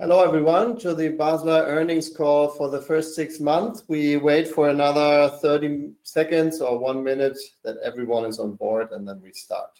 Hello everyone, to the Basler earnings call for the first six months. We wait for another 30 seconds or one minute that everyone is on board and then we start.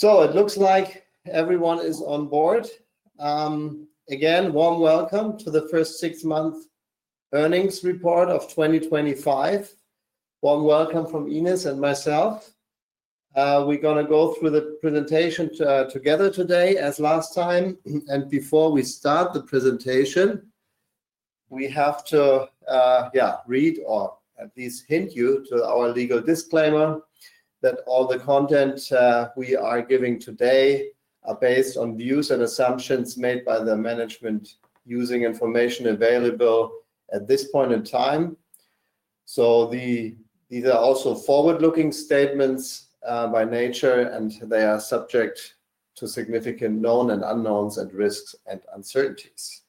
It looks like everyone is on board. Again, warm welcome to the first six-month earnings report of 2025. Warm welcome from Ines and myself. We're going to go through the presentation together today as last time. Before we start the presentation, we have to, yeah, read or at least hint you to our legal disclaimer that all the content we are giving today are based on views and assumptions made by the management using information available at this point in time. These are also forward-looking statements by nature, and they are subject to significant known and unknowns and risks and uncertainties.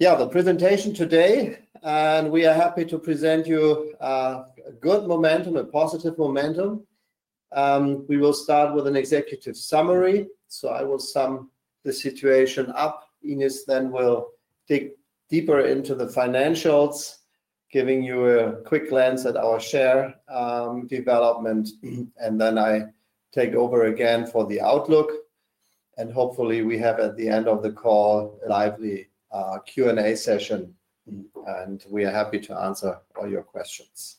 The presentation today, and we are happy to present you, a good momentum, a positive momentum. We will start with an executive summary. I will sum the situation up. Ines then will dig deeper into the financials, giving you a quick glance at our share, development. I take over again for the outlook. Hopefully, we have at the end of the call a lively Q&A session. We are happy to answer all your questions.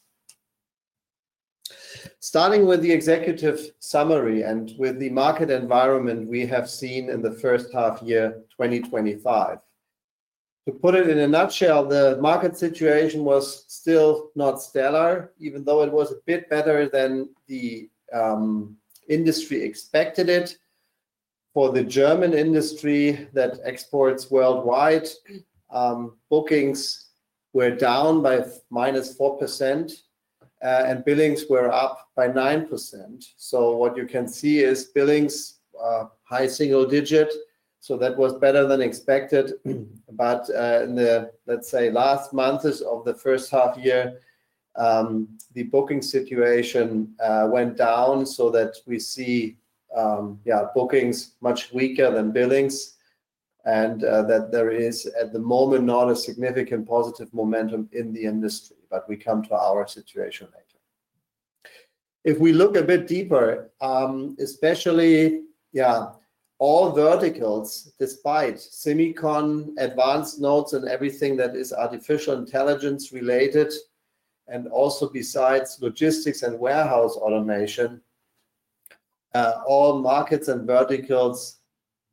Starting with the executive summary and with the market environment we have seen in the first half-year 2025. To put it in a nutshell, the market situation was still not stellar, even though it was a bit better than the industry expected it. For the German industry that exports worldwide, bookings were down by -4%, and billings were up by 9%. What you can see is billings, high single digit. That was better than expected. In the, let's say, last months of the first half-year, the booking situation went down so that we see, yeah, bookings much weaker than billings. There is at the moment not a significant positive momentum in the industry, but we come to our situation later. If we look a bit deeper, especially, yeah, all verticals, despite semicon, advanced notes, and everything that is artificial intelligence related, and also besides logistics and warehouse automation, all markets and verticals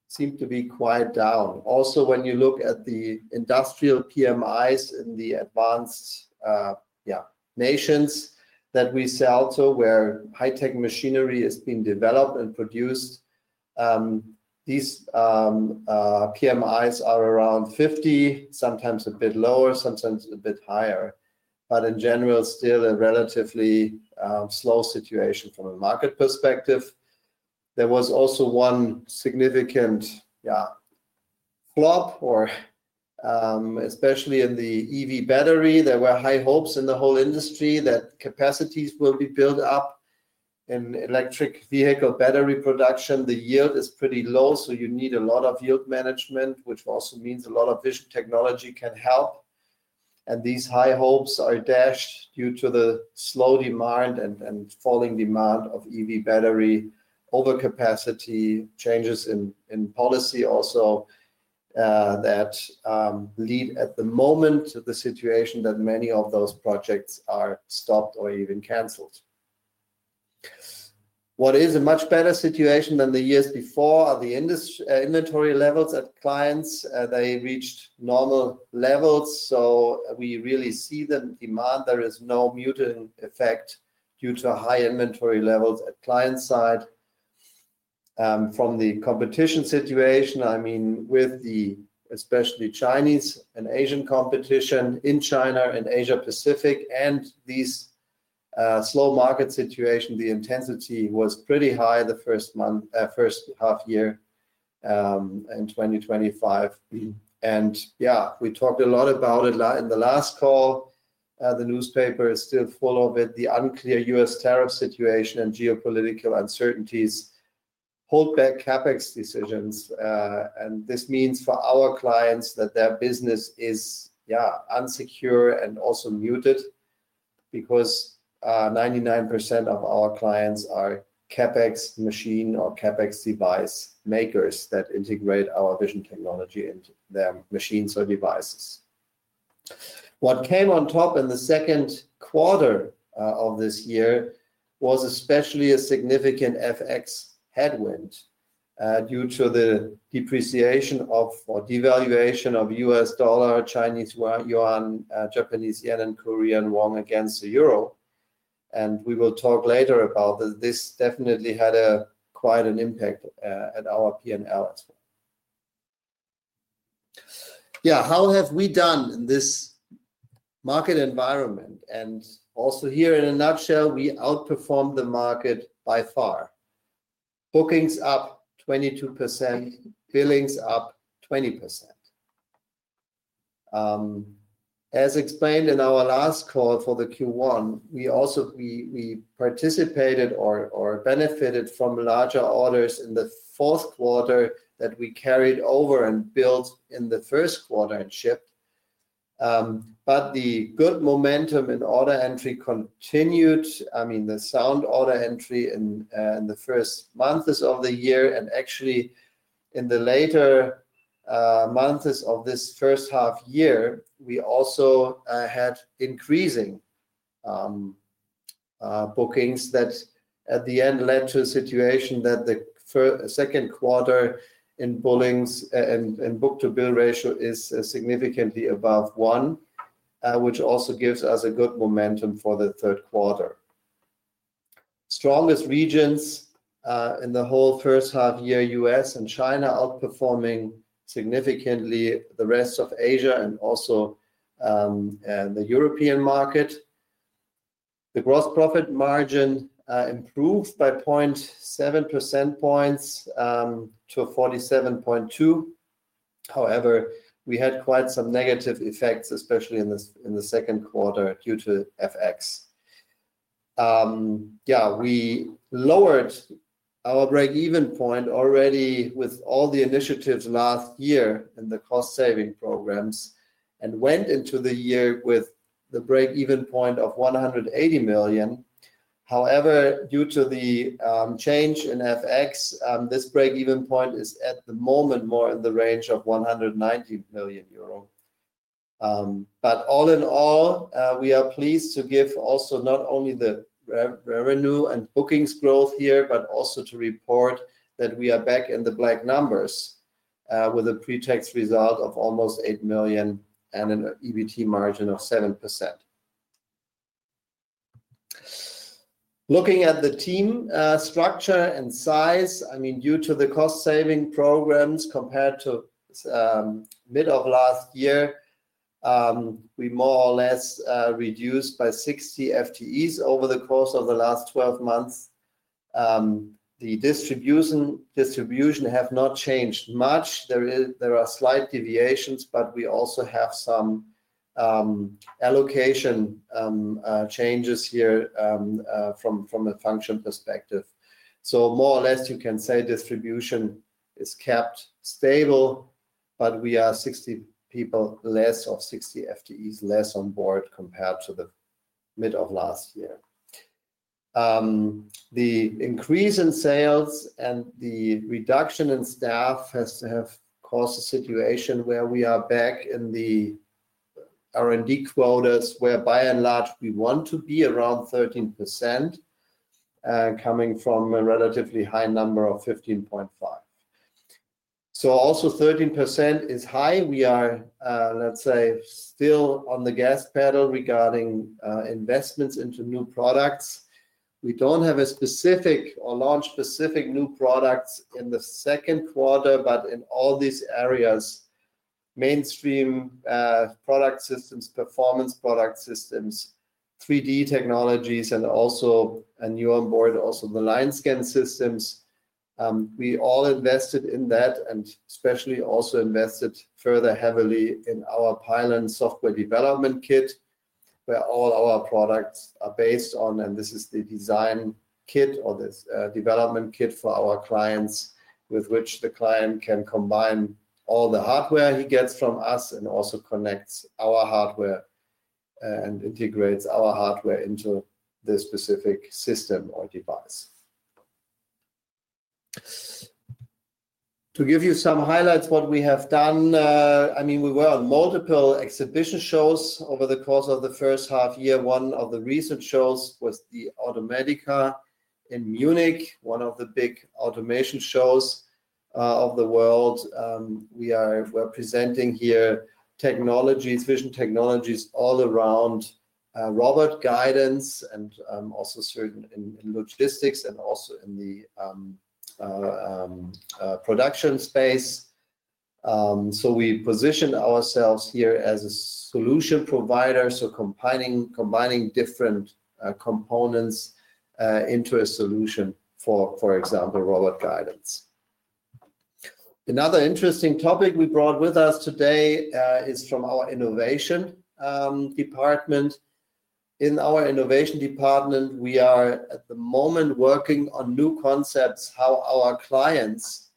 seem to be quite down. Also, when you look at the industrial PMIs in the advanced, yeah, nations that we sell to, where high-tech machinery is being developed and produced, these PMIs are around 50, sometimes a bit lower, sometimes a bit higher. In general, still a relatively slow situation from a market perspective. There was also one significant flop, especially in the EV battery. There were high hopes in the whole industry that capacities will be built up in electric vehicle battery production. The yield is pretty low, so you need a lot of yield management, which also means a lot of vision technology can help. These high hopes are dashed due to the slow demand and falling demand of EV battery, overcapacity, changes in policy also, that lead at the moment to the situation that many of those projects are stopped or even canceled. What is a much better situation than the years before are the inventory levels at clients. They reached normal levels. We really see the demand. There is no muting effect due to high inventory levels at client side. From the competition situation, with the especially Chinese and Asian competition in China and Asia-Pacific, and this slow market situation, the intensity was pretty high the first month, first half-year, in 2025. We talked a lot about it in the last call. The newspaper is still full of it. The unclear U.S. tariff situation and geopolitical uncertainties hold back CapEx decisions. This means for our clients that their business is unsecure and also muted because 99% of our clients are CapEx machine or CapEx device makers that integrate our vision technology into their machines or devices. What came on top in the second quarter of this year was especially a significant FX headwind, due to the depreciation or devaluation of U.S. dollar, Chinese yuan, Japanese yen, and Korean won against the euro. We will talk later about this. This definitely had quite an impact at our P&L as well. How have we done in this market environment? Also here in a nutshell, we outperformed the market by far. Bookings up 22%, billings up 20%. As explained in our last call for Q1, we also participated or benefited from larger orders in the fourth quarter that we carried over and built in the first quarter chip. The good momentum in order entry continued. The sound order entry in the first months of the year and actually in the later months of this first half-year, we also had increasing bookings that at the end led to a situation that the second quarter in book-to-bill ratio is significantly above one, which also gives us a good momentum for the third quarter. Strongest regions in the whole first half-year, U.S. and China outperforming significantly the rest of Asia and also the European market. The gross profit margin improved by 0.7% points to 47.2%. However, we had quite some negative effects, especially in the second quarter due to FX. We lowered our break-even point already with all the initiatives last year and the cost-saving programs and went into the year with the break-even point of 180 million. However, due to the change in FX, this break-even point is at the moment more in the range of 190 million euro. All in all, we are pleased to give also not only the revenue and bookings growth here, but also to report that we are back in the black numbers with a pre-tax result of almost 8 million and an EBIT margin of 7%. Looking at the team structure and size, due to the cost-saving programs compared to the middle of last year, we more or less reduced by 60 FTEs over the course of the last 12 months. The distribution has not changed much. There are slight deviations, but we also have some allocation changes here from a function perspective. More or less, you can say distribution is kept stable, but we are 60 people less or 60 FTEs less on board compared to the mid of last year. The increase in sales and the reduction in staff have caused a situation where we are back in the R&D quotas where, by and large, we want to be around 13%, coming from a relatively high number of 15.5%. Also, 13% is high. We are, let's say, still on the gas pedal regarding investments into new products. We don't have a specific or launch specific new products in the second quarter, but in all these areas, mainstream product systems, performance product systems, 3D vision technologies, and also a new onboard also the line scan systems. We all invested in that and especially also invested further heavily in our pylon software development kit where all our products are based on. This is the design kit or this development kit for our clients with which the client can combine all the hardware he gets from us and also connects our hardware and integrates our hardware into this specific system or device. To give you some highlights, what we have done, we were on multiple exhibition shows over the course of the first half-year. One of the recent shows was the Automatica in Munich, one of the big automation shows of the world. We are presenting here technologies, vision technologies all around, robot guidance, and also certain in logistics and also in the production space. We position ourselves here as a solution provider, combining different components into a solution for, for example, robot guidance. Another interesting topic we brought with us today is from our innovation department. In our innovation department, we are at the moment working on new concepts, how our clients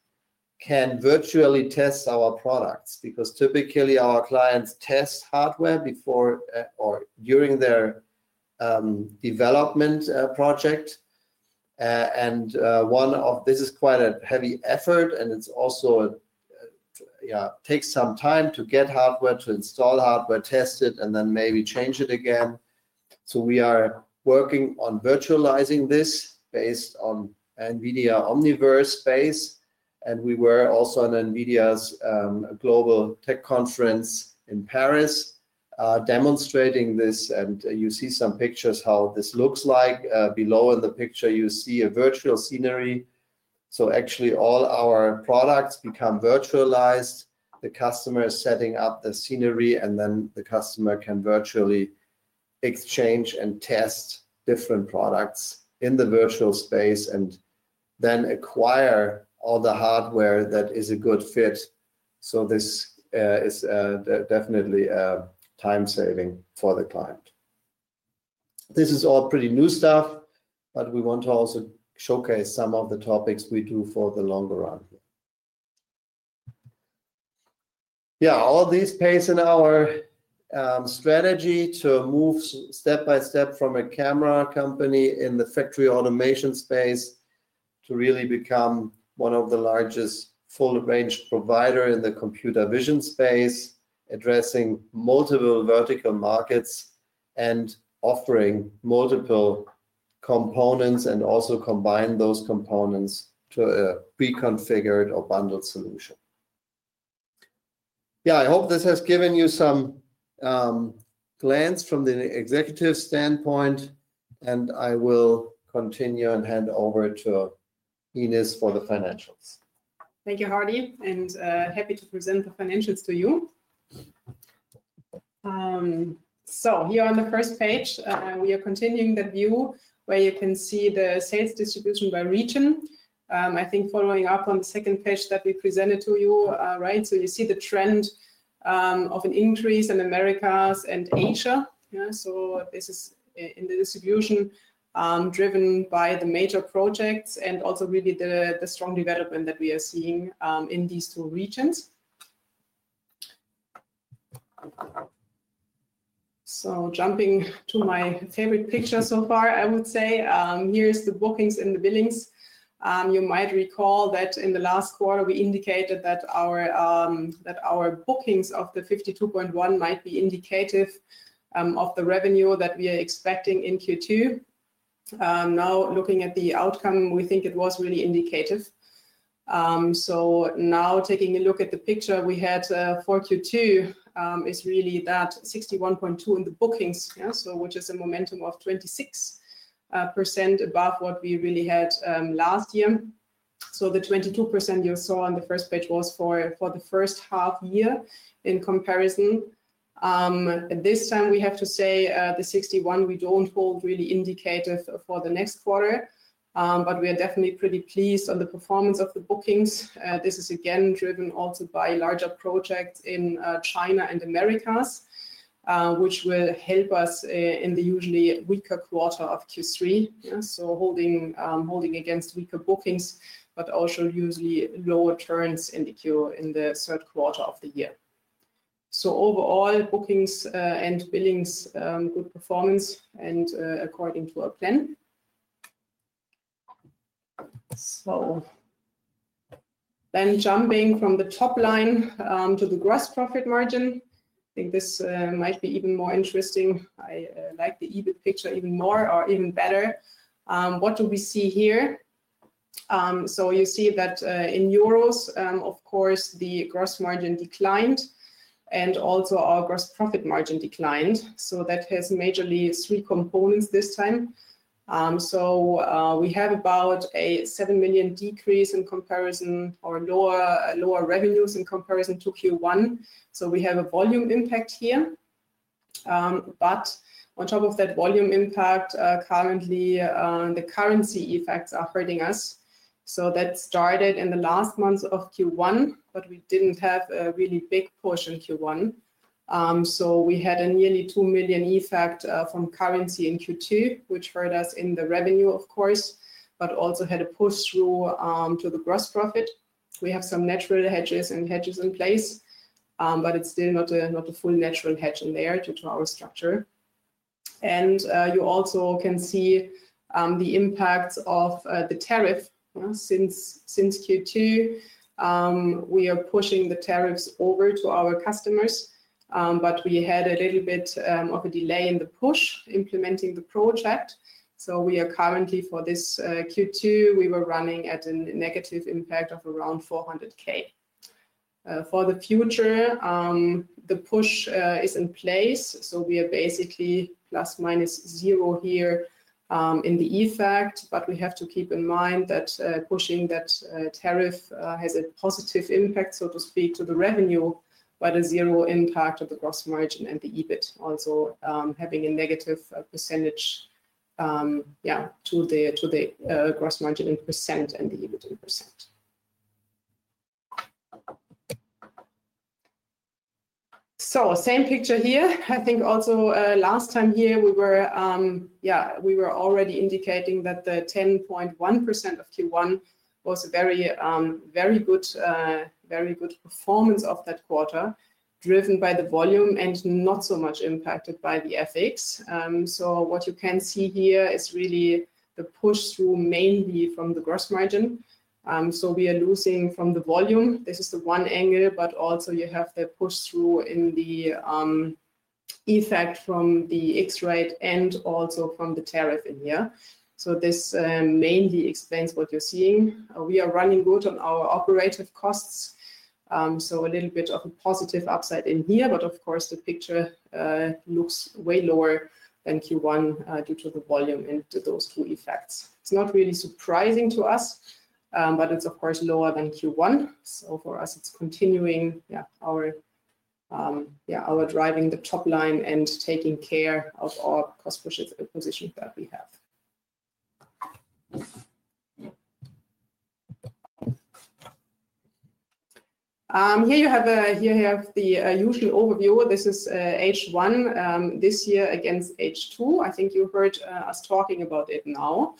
can virtually test our products because typically our clients test hardware before or during their development project. One of this is quite a heavy effort, and it also takes some time to get hardware, to install hardware, test it, and then maybe change it again. We are working on virtualizing this based on NVIDIA Omniverse space. We were also on NVIDIA's global tech conference in Paris, demonstrating this. You see some pictures how this looks like. Below in the picture, you see a virtual scenery. Actually, all our products become virtualized. The customer is setting up the scenery, and then the customer can virtually exchange and test different products in the virtual space and then acquire all the hardware that is a good fit. This is definitely a time-saving for the client. This is all pretty new stuff, but we want to also showcase some of the topics we do for the longer run. All this pays in our strategy to move step by step from a camera company in the factory automation space to really become one of the largest full-range providers in the computer vision space, addressing multiple vertical markets and offering multiple components and also combining those components to a pre-configured or bundled solution. I hope this has given you some glance from the executive standpoint. I will continue and hand over to Ines for the financials. Thank you, Hardy, and happy to present the financials to you. Here on the first page, we are continuing the view where you can see the sales distribution by region. I think following up on the second page that we presented to you, right? You see the trend of an increase in the Americas and Asia. This is in the distribution driven by the major projects and also really the strong development that we are seeing in these two regions. Jumping to my favorite picture so far, I would say, here's the bookings and the billings. You might recall that in the last quarter we indicated that our bookings of 52.1 million might be indicative of the revenue that we are expecting in Q2. Now looking at the outcome, we think it was really indicative. Taking a look at the picture we had for Q2, it is really that 61.2 million in the bookings, which is a momentum of 26% above what we really had last year. The 22% you saw on the first page was for the first half year in comparison. This time we have to say the 61 million we don't hold really indicative for the next quarter, but we are definitely pretty pleased on the performance of the bookings. This is again driven also by a larger project in China and the Americas, which will help us in the usually weaker quarter of Q3. Holding against weaker bookings, but also usually lower turns in the third quarter of the year. Overall bookings and billings, good performance and according to our plan. Jumping from the top line to the gross profit margin, I think this might be even more interesting. I like the EBIT picture even more or even better. What do we see here? You see that in euros, of course, the gross margin declined and also our gross profit margin declined. That has majorly three components this time. We have about a 7 million decrease in comparison or lower revenues in comparison to Q1. We have a volume impact here. On top of that volume impact, currently the currency effects are hurting us. That started in the last months of Q1, but we didn't have a really big push in Q1. We had a nearly 2 million effect from currency in Q2, which hurt us in the revenue, of course, but also had a push through to the gross profit. We have some natural hedges and hedges in place, but it's still not a full natural hedge in there due to our structure. You also can see the impact of the tariff. Since Q2, we are pushing the tariffs over to our customers, but we had a little bit of a delay in the push implementing the project. We are currently for this Q2, running at a negative impact of around $400,000. For the future, the push is in place. We are basically plus minus zero here in the effect, but we have to keep in mind that pushing that tariff has a positive impact, so to speak, to the revenue by the zero impact of the gross margin and the EBIT, also having a negative percentage, yeah, to the gross margin in percentage and the EBIT in percentage. Same picture here. I think also last time here we were, yeah, we were already indicating that the 10.1% of Q1 was a very, very good, very good performance of that quarter, driven by the volume and not so much impacted by the FX. What you can see here is really a push through mainly from the gross margin. We are losing from the volume. This is the one angle, but also you have the push through in the effect from the X-ray and also from the tariff in here. This mainly explains what you're seeing. We are running good on our operative costs. A little bit of a positive upside in here, but of course the picture looks way lower than Q1 due to the volume and those two effects. It's not really surprising to us, but it's of course lower than Q1. For us, it's continuing, yeah, our driving the top line and taking care of our cost position that we have. Here you have the usual overview. This is H1 this year against H2. I think you heard us talking about it now.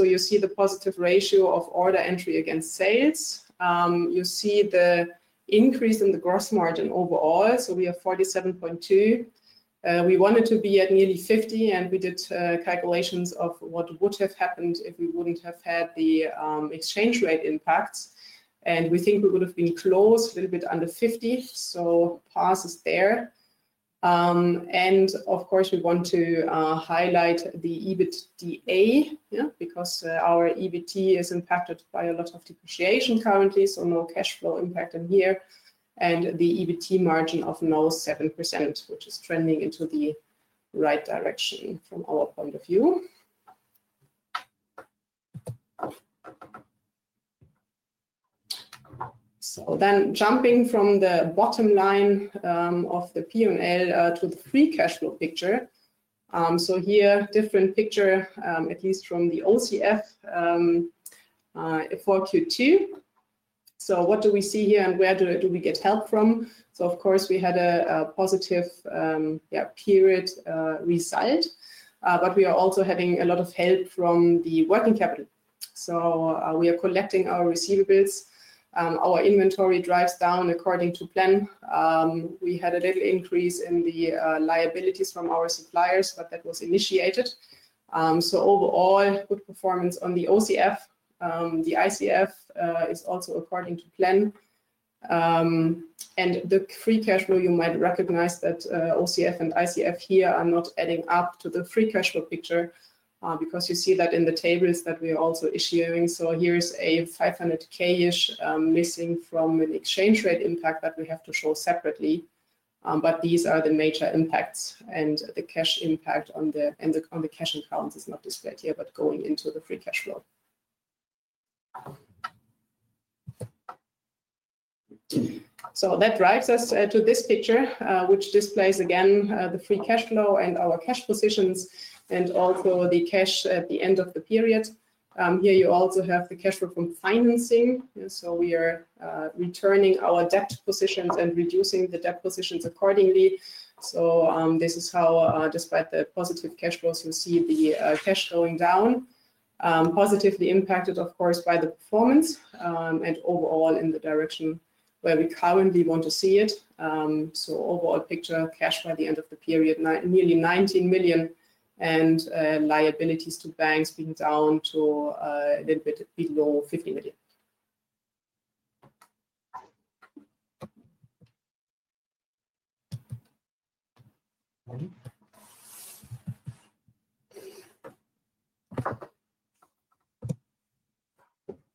You see the positive ratio of order entry against sales. You see the increase in the gross margin overall. We are 47.2%. We wanted to be at nearly 50%, and we did calculations of what would have happened if we wouldn't have had the exchange rate impact. We think we would have been closed a little bit under 50%. Pass is there. Of course, we want to highlight the EBITDA because our EBIT is impacted by a lot of depreciation currently. No cash flow impact in here. The EBIT margin of now 7%, which is trending into the right direction from our point of view. Jumping from the bottom line of the P&L to the free cash flow picture. Here, different picture, at least from the OCF for Q2. What do we see here and where do we get help from? Of course, we had a positive period resigned, but we are also having a lot of help from the working capital. We are collecting our receivables. Our inventory drives down according to plan. We had a little increase in the liabilities from our suppliers, but that was initiated. Overall, good performance on the OCF. The ICF is also according to plan. The free cash flow, you might recognize that OCF and ICF here are not adding up to the free cash flow picture because you see that in the tables that we are also issuing. There's a 500,000-ish missing from an exchange rate impact that we have to show separately. These are the major impacts and the cash impact on the cash accounts is not displayed here, but going into the free cash flow. That drives us to this picture, which displays again the free cash flow and our cash positions and also the cash at the end of the period. Here you also have the cash flow from financing. We are returning our debit positions and reducing the debit positions accordingly. This is how, despite the positive cash flows, you see the cash flowing down, positively impacted, of course, by the performance and overall in the direction where we currently want to see it. Overall picture, cash by the end of the period, nearly 19 million and liabilities to banks being down to a little bit below 50 million.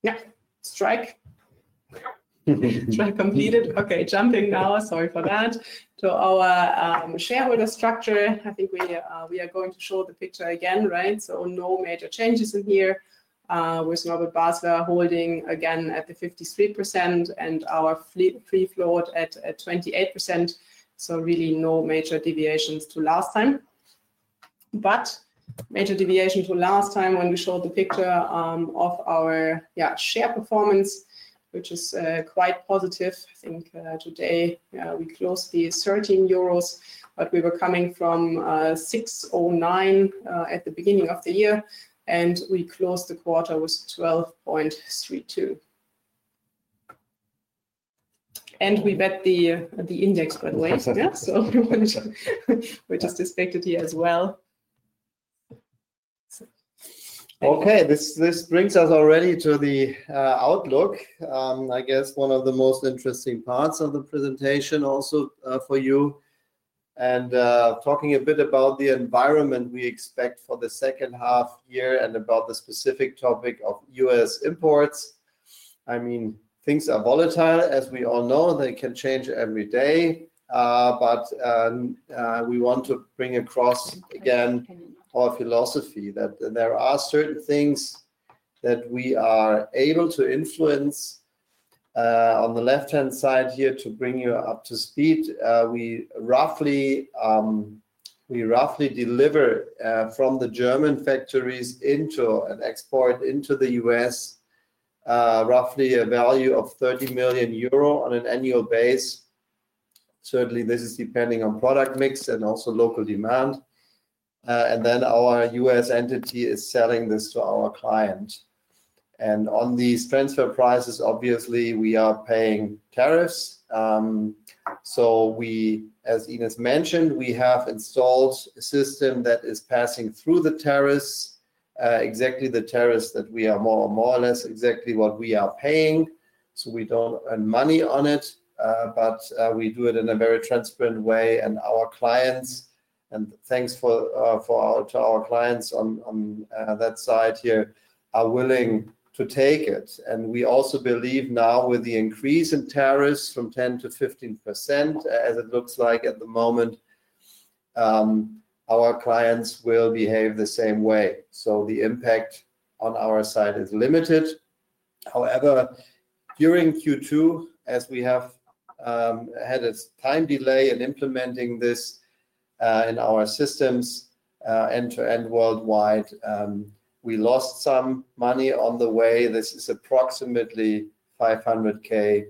Yeah, strike. Strike completed. Jumping now to our shareholder structure, I think we are going to show the picture again, right? No major changes in here with Robert Basler holding again at the 53% and our free float at 28%. Really no major deviations to last time. Major deviation to last time when we showed the picture of our share performance, which is quite positive. I think today we closed at 13 euros, but we were coming from 6.09 at the beginning of the year and we closed the quarter with 12.32. We bet the index got way. We just expected here as well. Okay, this brings us already to the outlook. I guess one of the most interesting parts of the presentation also for you. Talking a bit about the environment we expect for the second half year and about the specific topic of U.S. imports. I mean, things are volatile. As we all know, they can change every day. We want to bring across again our philosophy that there are certain things that we are able to influence. On the left-hand side here to bring you up to speed, we roughly deliver from the German factories into an export into the U.S., roughly a value of 30 million euro on an annual base. Certainly, this is depending on product mix and also local demand. Then our U.S. entity is selling this to our client. On these transfer prices, obviously, we are paying tariffs. As Ines mentioned, we have installed a system that is passing through the tariffs, exactly the tariffs that we are more or less exactly what we are paying. We don't earn money on it, but we do it in a very transparent way. Our clients, and thanks to our clients on that side here, are willing to take it. We also believe now with the increase in tariffs from 10% to 15%, as it looks like at the moment, our clients will behave the same way. The impact on our side is limited. However, during Q2, as we have had a time delay in implementing this in our systems end-to-end worldwide, we lost some money on the way. This is approximately 500,000,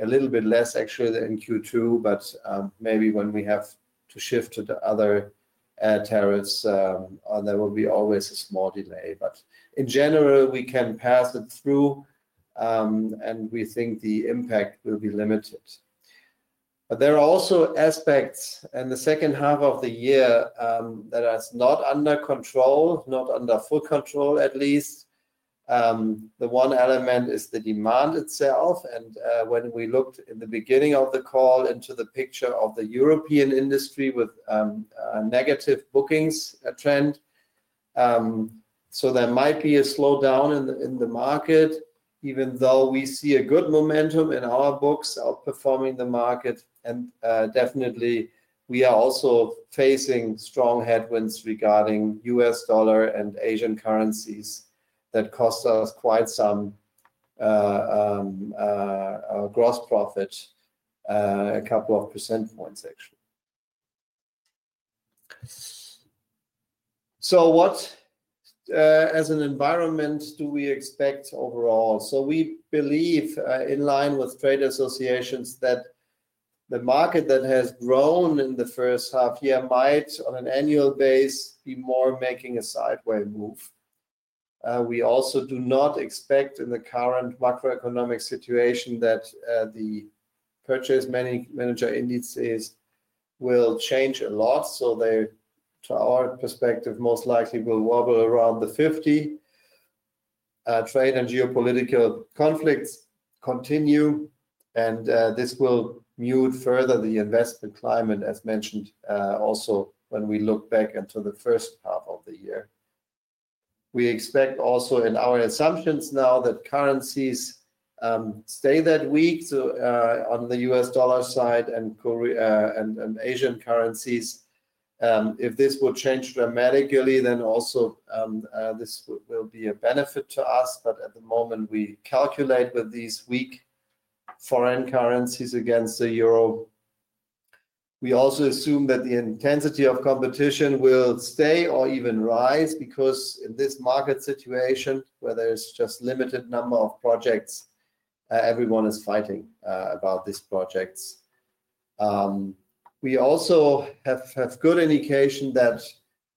a little bit less actually than Q2, but maybe when we have to shift to the other tariffs, there will be always a small delay. In general, we can pass it through and we think the impact will be limited. There are also aspects in the second half of the year that are not under control, not under full control at least. The one element is the demand itself. When we looked in the beginning of the call into the picture of the European industry with a negative bookings trend, there might be a slowdown in the market, even though we see a good momentum in our books outperforming the market. We are also facing strong headwinds regarding U.S. dollar and Asian currencies that cost us quite some gross profit, a couple of percent points actually. What, as an environment, do we expect overall? We believe, in line with trade associations, that the market that has grown in the first half year might, on an annual basis, be more making a sideway move. We also do not expect in the current macroeconomic situation that the purchasing manager indices will change a lot. They, to our perspective, most likely will wobble around the 50. Trade and geopolitical conflicts continue, and this will mute further the investment climate, as mentioned, also when we look back into the first half of the year. We expect also, in our assumptions now, that currencies stay that weak on the U.S. dollar side and Asian currencies. If this would change dramatically, then also this will be a benefit to us. At the moment, we calculate with these weak foreign currencies against the euro. We also assume that the intensity of competition will stay or even rise because in this market situation, where there is just a limited number of projects, everyone is fighting about these projects. We also have a good indication that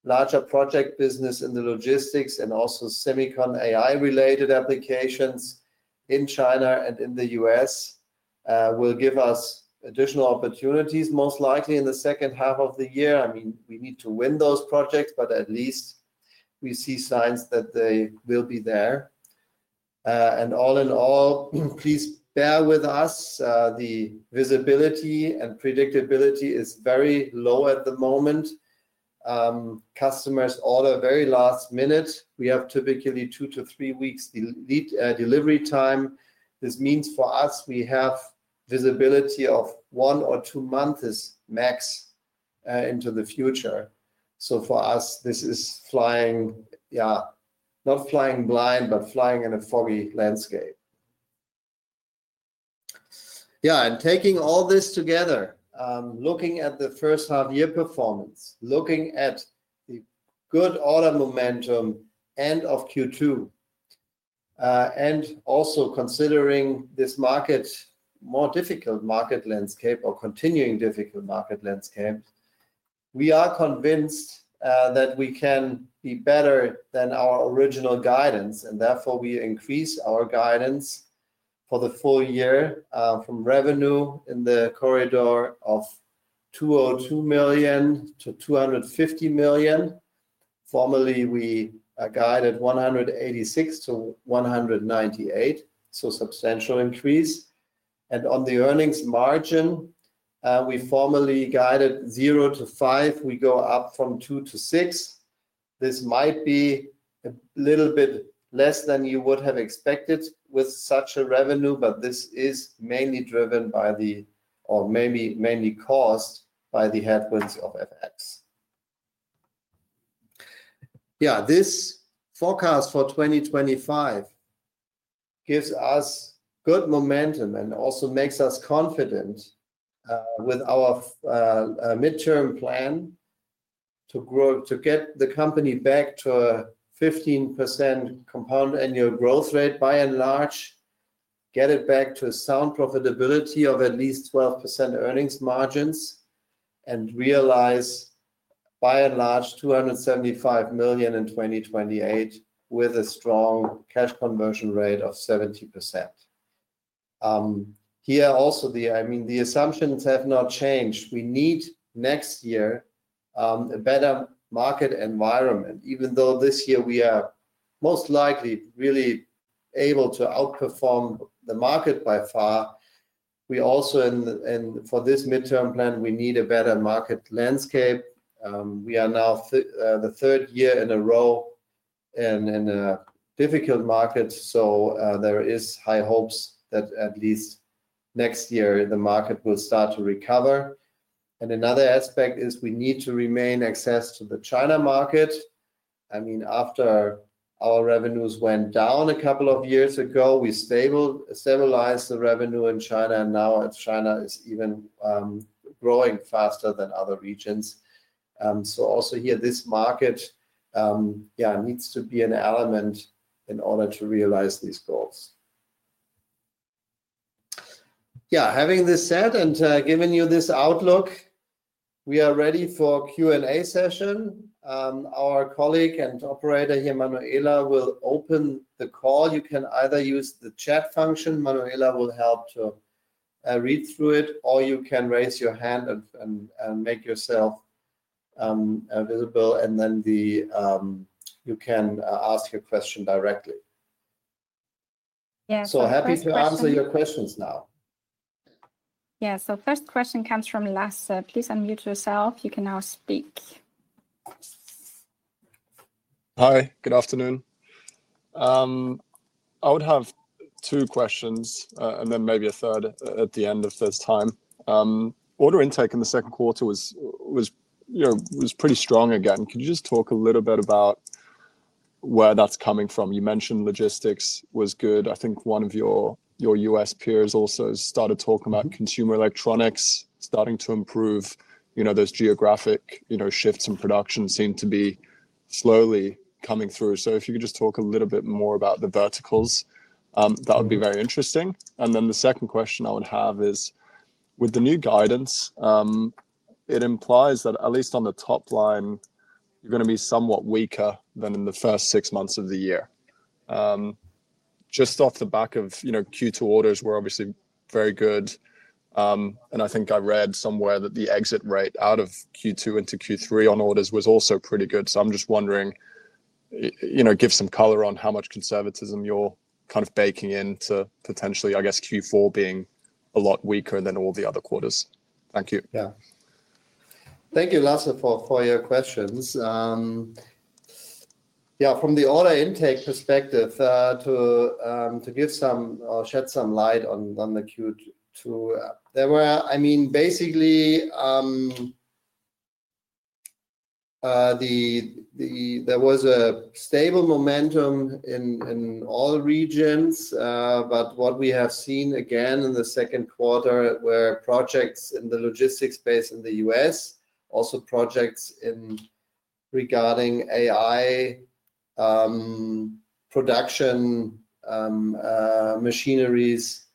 larger project business in the logistics and also semicon AI-related applications in China and in the U.S. will give us additional opportunities, most likely in the second half of the year. We need to win those projects, but at least we see signs that they will be there. All in all, please bear with us. The visibility and predictability is very low at the moment. Customers order very last minute. We have typically two to three weeks lead delivery time. This means for us, we have visibility of one or two months max into the future. For us, this is flying, not flying blind, but flying in a foggy landscape. Taking all this together, looking at the first half-year performance, looking at the good order momentum end of Q2, and also considering this market, more difficult market landscape or continuing difficult market landscape, we are convinced that we can be better than our original guidance. Therefore, we increase our guidance for the full year from revenue in the corridor of 202 million-250 million. Formerly, we guided 186 million-198 million, so a substantial increase. On the earnings margin, we formally guided 0%-5%. We go up from 2% to 6%. This might be a little bit less than you would have expected with such a revenue, but this is mainly driven by, or maybe mainly caused by, the headwinds of FX. Yeah, this forecast for 2025 gives us good momentum and also makes us confident with our mid-term plan to grow, to get the company back to a 15% CAGR by and large, get it back to a sound profitability of at least 12% earnings margins, and realize by and large $275 million in 2028 with a strong cash conversion rate of 70%. Here also, the assumptions have not changed. We need next year a better market environment, even though this year we are most likely really able to outperform the market by far. Also, for this mid-term plan, we need a better market landscape. We are now the third year in a row in a difficult market, so there are high hopes that at least next year the market will start to recover. Another aspect is we need to remain access to the China market. I mean, after our revenues went down a couple of years ago, we stabilized the revenue in China, and now China is even growing faster than other regions. Also here, this market needs to be an element in order to realize these goals. Having this said and giving you this outlook, we are ready for a Q&A session. Our colleague and operator here, Manuela, will open the call. You can either use the chat function. Manuela will help to read through it, or you can raise your hand and make yourself visible, and then you can ask your question directly. Yeah, so happy to answer your questions now. Yeah, first question comes from Lasse. Please unmute yourself. You can now speak. Hi, good afternoon. I would have two questions and then maybe a third at the end of this time. Order intake in the second quarter was pretty strong again. Can you just talk a little bit about where that's coming from? You mentioned logistics was good. I think one of your U.S. peers also started talking about consumer electronics starting to improve. Those geographic shifts in production seem to be slowly coming through. If you could just talk a little bit more about the verticals, that would be very interesting. The second question I would have is, with the new guidance, it implies that at least on the top line, you're going to be somewhat weaker than in the first six months of the year. Just off the back of Q2 orders, we're obviously very good. I think I read somewhere that the exit rate out of Q2 into Q3 on orders was also pretty good. I'm just wondering, give some color on how much conservatism you're kind of baking into potentially, I guess, Q4 being a lot weaker than all the other quarters. Thank you. Thank you, Lasse, for your questions. From the order intake perspective, to shed some light on Q2, there was basically a stable momentum in all regions. What we have seen again in the second quarter were projects in the logistics space in the U.S., also projects regarding AI production, machineries.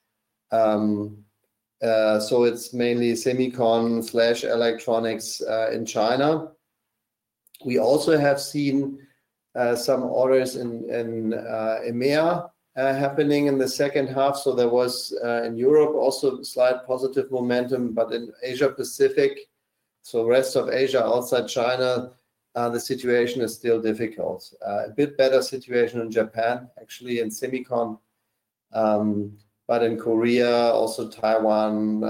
It's mainly semicon/electronics in China. We also have seen some orders in EMEA happening in the second half. There was in Europe also a slight positive momentum, but in Asia-Pacific, the rest of Asia outside China, the situation is still difficult. A bit better situation in Japan, actually, in semicon. In Korea, also Taiwan,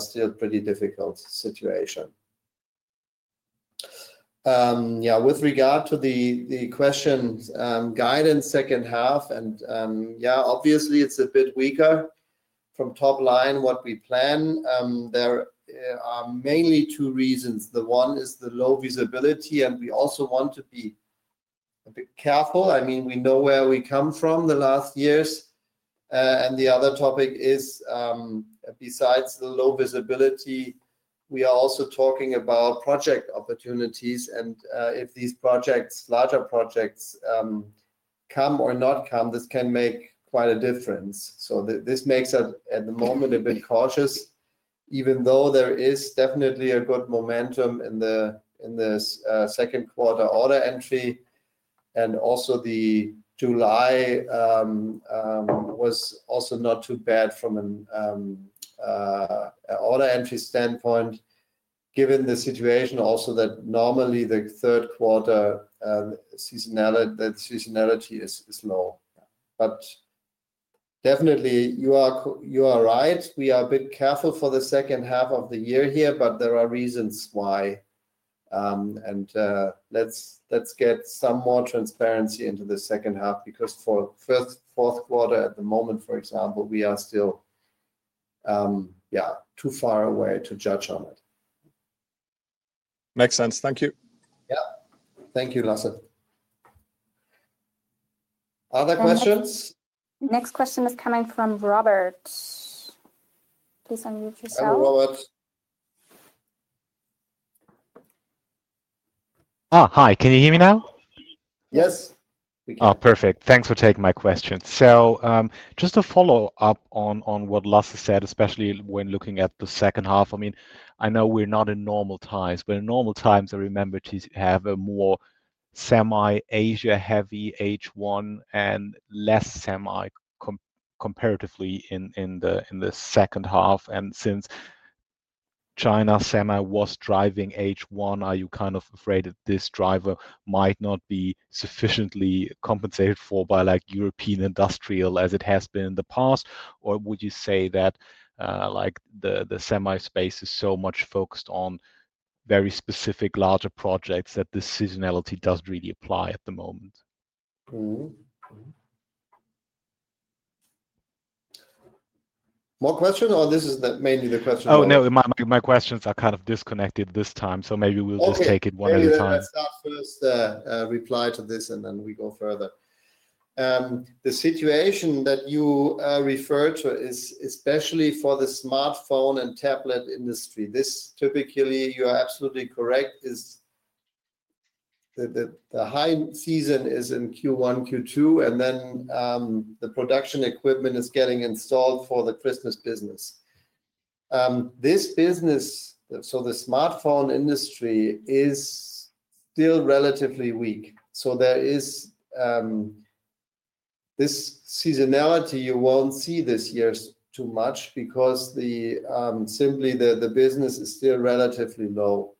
still a pretty difficult situation. With regard to the question, guidance second half, obviously it's a bit weaker from top line what we plan. There are mainly two reasons. One is the low visibility, and we also want to be a bit careful. We know where we come from the last years. The other topic is, besides the low visibility, we are also talking about project opportunities. If these projects, larger projects, come or not come, this can make quite a difference. This makes it at the moment a bit cautious, even though there is definitely a good momentum in the second quarter order entry. Also, July was also not too bad from an order entry standpoint, given the situation also that normally the third quarter seasonality is low. Definitely, you are right. We are a bit careful for the second half of the year here, but there are reasons why. Let's get some more transparency into the second half because for the fourth quarter at the moment, for example, we are still too far away to judge on it. Makes sense. Thank you. Yeah. Thank you, Lasse. Other questions? Next question is coming from Robert. Please unmute yourself. Robert. Hi. Can you hear me now? Yes. Oh, perfect. Thanks for taking my question. Just to follow up on what Lasse said, especially when looking at the second half. I know we're not in normal times, but in normal times, I remember to have a more semi-Asia-heavy H1 and less semi comparatively in the second half. Since China semi was driving H1, are you kind of afraid that this driver might not be sufficiently compensated for by European industrial as it has been in the past? Would you say that the semi space is so much focused on very specific larger projects that this seasonality does really apply at the moment? More questions, or is this mainly the question? My questions are kind of disconnected this time. Maybe we'll just take it one at a time. Let's start with a reply to this and then we go further. The situation that you refer to is especially for the smartphone and tablet industry. This typically, you are absolutely correct, is that the high season is in Q1, Q2, and then the production equipment is getting installed for the Christmas business. This business, so the smartphone industry is still relatively weak. There is this seasonality you won't see this year too much because simply the business is still relatively low.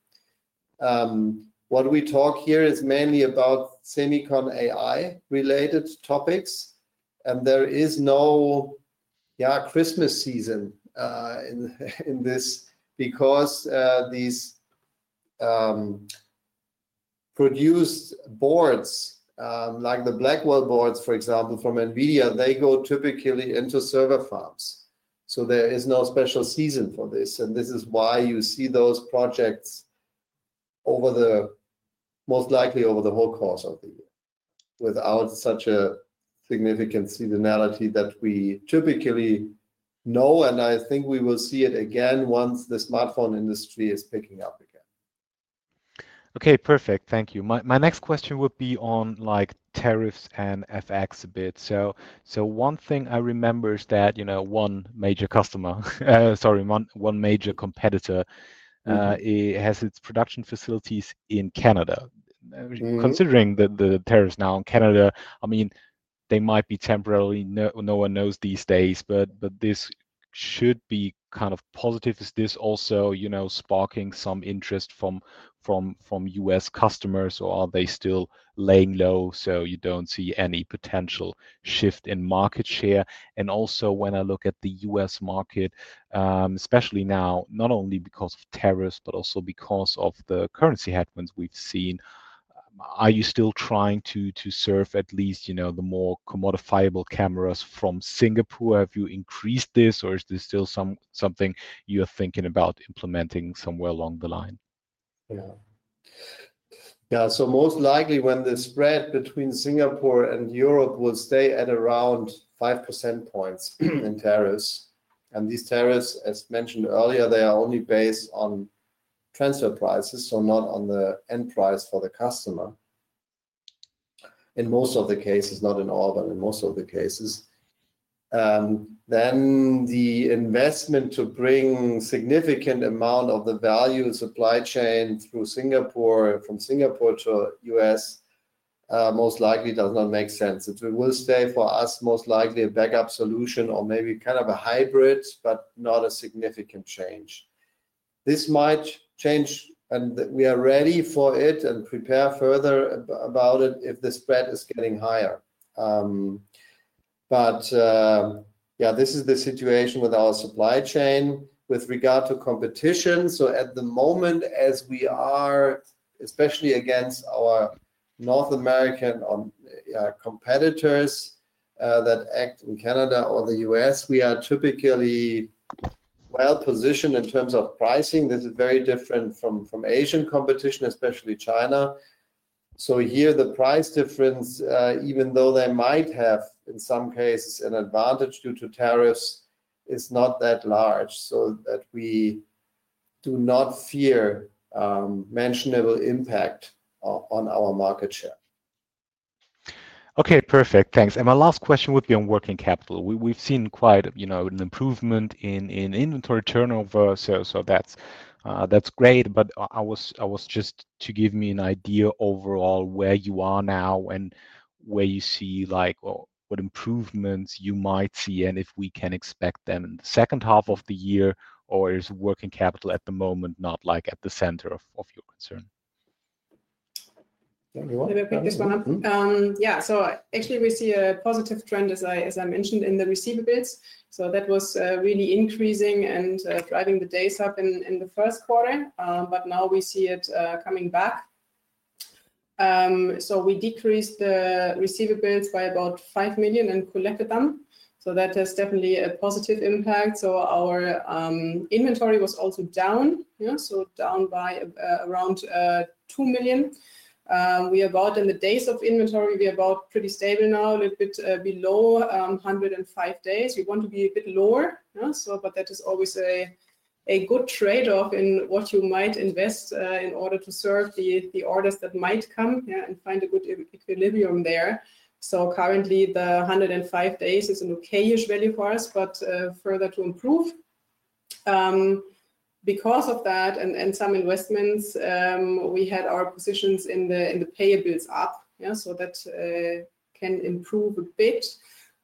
What we talk here is mainly about semicon AI-related topics. There is no, yeah, Christmas season in this because these produced boards, like the Blackwell boards, for example, from NVIDIA, they go typically into server farms. There is no special season for this. This is why you see those projects most likely over the whole course of the year without such a significant seasonality that we typically know. I think we will see it again once the smartphone industry is picking up again. Okay, perfect. Thank you. My next question would be on tariffs and FX a bit. One thing I remember is that one major competitor has its production facilities in Canada. Considering the tariffs now in Canada, I mean, they might be temporary, no one knows these days, but this should be kind of positive. Is this also sparking some interest from U.S. customers, or are they still laying low so you don't see any potential shift in market share? Also, when I look at the U.S. market, especially now, not only because of tariffs but also because of the currency headwinds we've seen, are you still trying to serve at least the more commodifiable cameras from Singapore? Have you increased this, or is this still something you're thinking about implementing somewhere along the line? Yeah, so most likely when the spread between Singapore and Europe will stay at around 5% points in tariffs. These tariffs, as mentioned earlier, are only based on transfer prices, so not on the end price for the customer in most of the cases, not in all, but in most of the cases. The investment to bring a significant amount of the value in supply chain through Singapore, from Singapore to the U.S., most likely does not make sense. It will stay for us most likely a backup solution or maybe kind of a hybrid, but not a significant change. This might change, and we are ready for it and prepare further about it if the spread is getting higher. This is the situation with our supply chain with regard to competition. At the moment, as we are, especially against our North American competitors that act in Canada or the U.S., we are typically well positioned in terms of pricing. This is very different from Asian competition, especially China. Here the price difference, even though they might have in some cases an advantage due to tariffs, is not that large, so that we do not fear mentionable impact on our market share. Okay, perfect. Thanks. My last question would be on working capital. We've seen quite an improvement in inventory turnover. That's great. I was just to give me an idea overall where you are now and where you see like what improvements you might see and if we can expect them in the second half of the year or is working capital at the moment not like at the center of your concern? Can you pick this one up? Yeah, actually we see a positive trend, as I mentioned, in the receivables. That was really increasing and driving the days up in the first quarter, but now we see it coming back. We decreased the receivables by about $5 million and collected them. That has definitely a positive impact. Our inventory was also down by around $2 million. In the days of inventory, we are about pretty stable now, a little bit below 105 days. We want to be a bit lower, but that is always a good trade-off in what you might invest in order to serve the orders that might come and find a good equilibrium there. Currently, the 105 days is an okay-ish value for us, but further to improve. Because of that and some investments, we had our positions in the payables build up. That can improve a bit.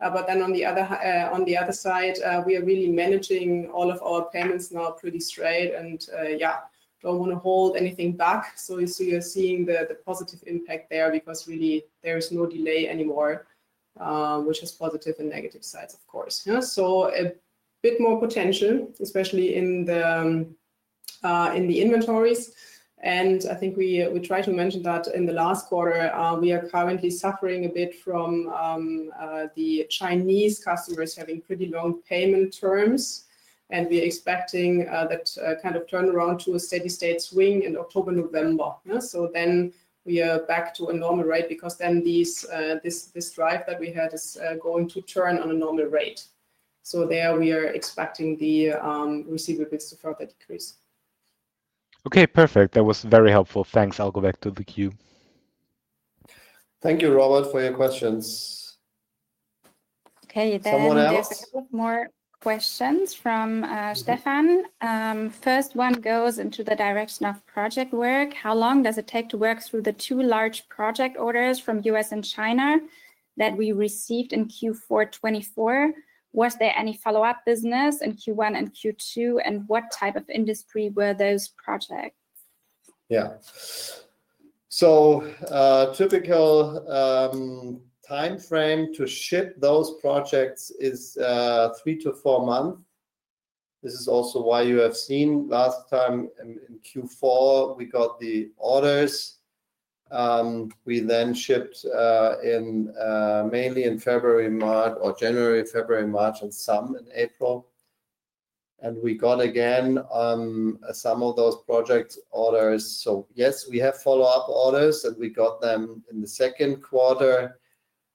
On the other side, we are really managing all of our payments now pretty straight and don't want to hold anything back. You're seeing the positive impact there because really there is no delay anymore, which has positive and negative sides, of course. There is a bit more potential, especially in the inventories. I think we tried to mention that in the last quarter, we are currently suffering a bit from the Chinese customers having pretty long payment terms. We are expecting that kind of turnaround to a steady state swing in October, November. We are back to a normal rate because then this drive that we had is going to turn on a normal rate. There we are expecting the receivables to further decrease. Okay, perfect. That was very helpful. Thanks. I'll go back to the queue. Thank you, Robert, for your questions. Okay, thank you. Someone else? More questions from Stefan. First one goes into the direction of project work. How long does it take to work through the two large project orders from the U.S. and China that we received in Q4 2024? Was there any follow-up business in Q1 and Q2? What type of industry were those projects? Yeah. A typical timeframe to ship those projects is three to four months. This is also why you have seen last time in Q4, we got the orders. We then shipped mainly in January, February, March, and some in April. We got again some of those project orders. Yes, we have follow-up orders and we got them in the second quarter,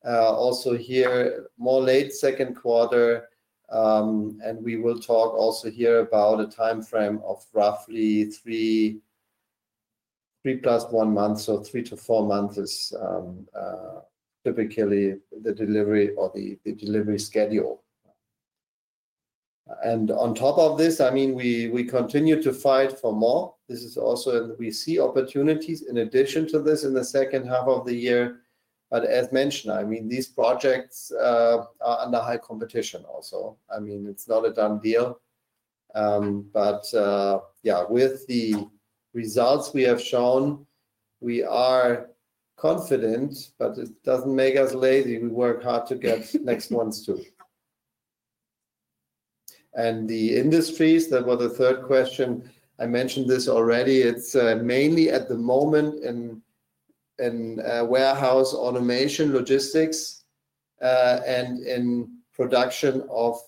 also here, more late second quarter. We will talk also here about a timeframe of roughly three plus one month. Three to four months is typically the delivery or the delivery schedule. On top of this, we continue to fight for more. We see opportunities in addition to this in the second half of the year. As mentioned, these projects are under high competition also. It's not a done deal. With the results we have shown, we are confident, but it doesn't make us lazy. We work hard to get next months too. The industries, that were the third question, I mentioned this already. It's mainly at the moment in warehouse automation, logistics, and in production of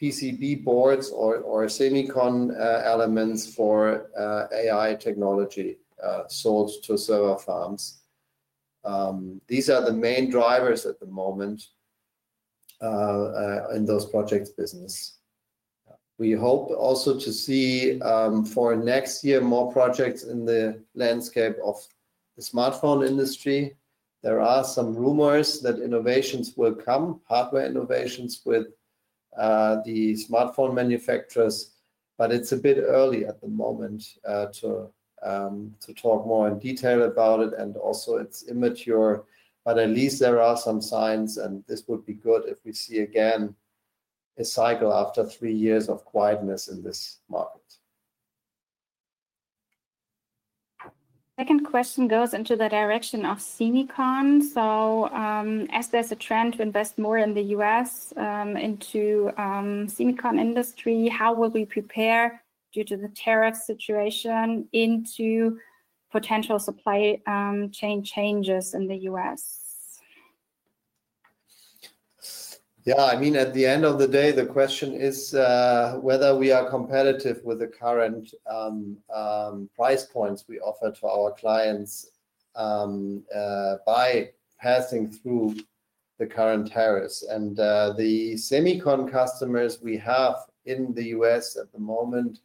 PCB boards or semicon elements for AI technology sold to server farms. These are the main drivers at the moment in those projects' business. We hope also to see for next year more projects in the landscape of the smartphone industry. There are some rumors that innovations will come, hardware innovations with the smartphone manufacturers, but it's a bit early at the moment to talk more in detail about it. Also, it's immature, but at least there are some signs and this would be good if we see again a cycle after three years of quietness in this market. Second question goes into the direction of semicon. As there's a trend to invest more in the U.S. into the semicon industry, how will we prepare due to the tariff situation into potential supply chain changes in the U.S.? Yeah, I mean, at the end of the day, the question is whether we are competitive with the current price points we offer to our clients by passing through the current tariffs. The semicon customers we have in the U.S. at the moment,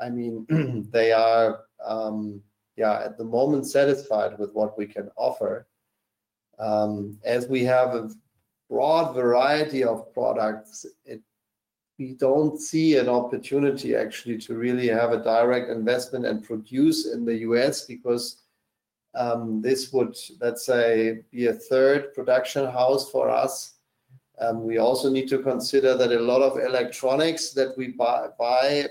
I mean, they are at the moment satisfied with what we can offer. As we have a broad variety of products, we don't see an opportunity actually to really have a direct investment and produce in the U.S. because this would, let's say, be a third production house for us. We also need to consider that a lot of electronics that we buy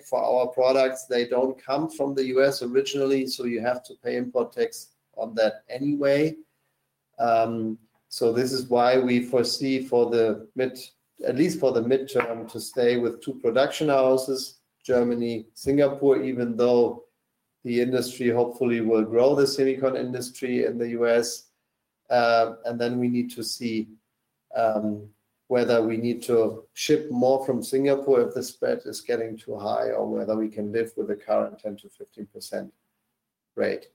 for our products, they don't come from the U.S. originally, so you have to pay import tax on that anyway. This is why we foresee for the mid-term to stay with two production houses, Germany, Singapore, even though the industry hopefully will grow the semicon industry in the U.S. We need to see whether we need to ship more from Singapore if the spread is getting too high or whether we can live with the current 10%-15% rate.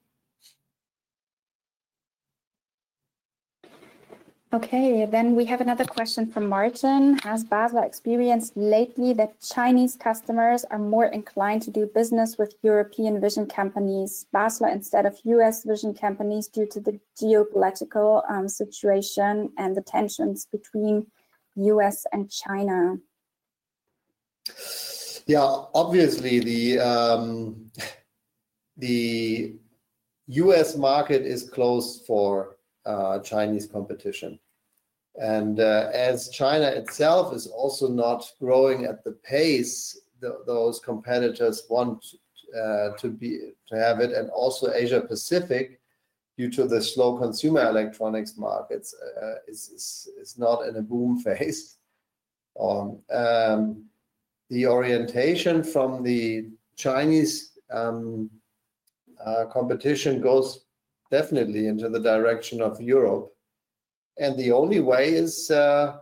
Okay, then we have another question from Martin. Has Basler experienced lately that Chinese customers are more inclined to do business with European vision companies, Basler instead of U.S. vision companies due to the geopolitical situation and the tensions between the U.S. and China? Obviously the U.S. market is closed for Chinese competition. As China itself is also not growing at the pace those competitors want to have it, and also Asia-Pacific due to the slow consumer electronics markets is not in a boom phase, the orientation from the Chinese competition goes definitely into the direction of Europe. The only way is to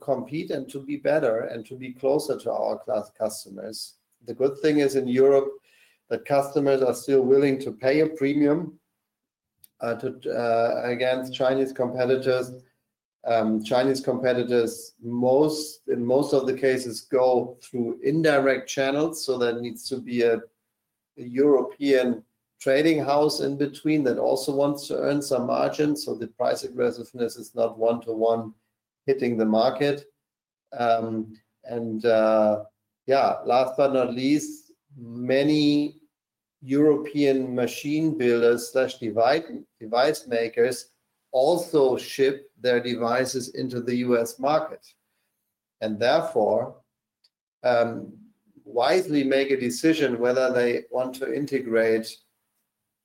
compete and to be better and to be closer to our class customers. The good thing is in Europe, the customers are still willing to pay a premium against Chinese competitors. Chinese competitors, in most of the cases, go through indirect channels, so there needs to be a European trading house in between that also wants to earn some margins, so the price aggressiveness is not one-to-one hitting the market. Last but not least, many European machine builders/device makers also ship their devices into the U.S. market. Therefore, they wisely make a decision whether they want to integrate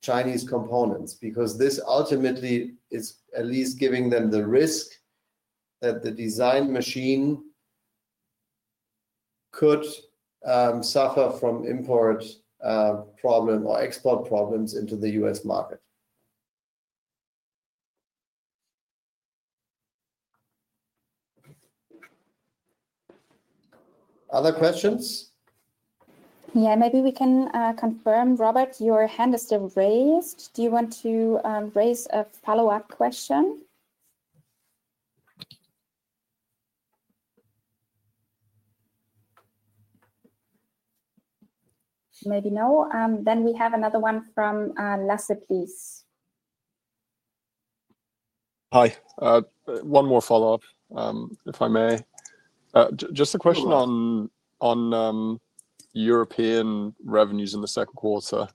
Chinese components because this ultimately is at least giving them the risk that the design machine could suffer from import problems or export problems into the U.S. market. Other questions? Maybe we can confirm, Robert, your hand is still raised. Do you want to raise a follow-up question? Maybe no. We have another one from Lasse, please. Hi, one more follow-up if I may. Just a question on European revenues in the second quarter.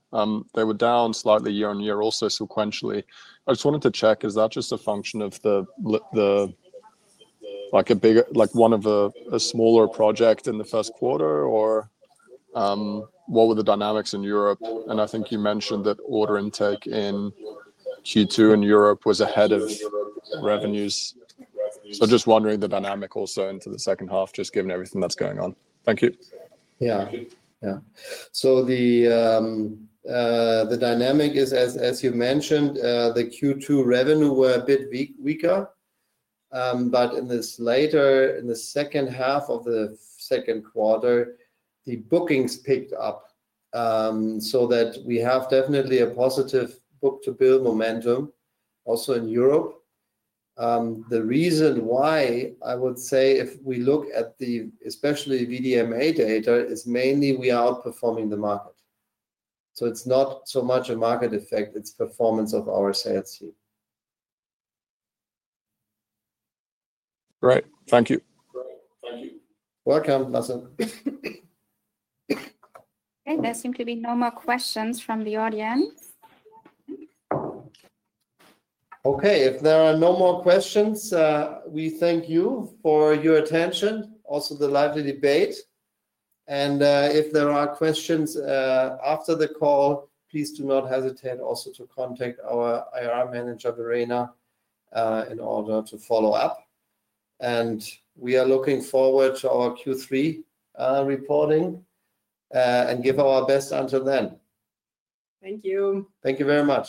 They were down slightly year on year, also sequentially. I just wanted to check, is that just a function of the, like a bigger, like one of a smaller project in the first quarter or what were the dynamics in Europe? I think you mentioned that order intake in Q2 in Europe was ahead of revenues. Just wondering the dynamic also into the second half, just given everything that's going on. Thank you. Yeah, yeah. The dynamic is, as you mentioned, the Q2 revenue were a bit weaker. In the second half of the second quarter, the bookings picked up, so that we have definitely a positive book-to-build momentum also in Europe. The reason why I would say if we look at the, especially VDMA data, is mainly we are outperforming the market. It's not so much a market effect, it's performance of our sales team. Great, thank you. Welcome, Lasse. There seem to be no more questions from the audience. Okay, if there are no more questions, we thank you for your attention, also the lively debate. If there are questions after the call, please do not hesitate also to contact our IR manager, Verena, in order to follow up. We are looking forward to our Q3 reporting and give our best until then. Thank you. Thank you very much.